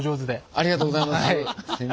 ありがとうございます。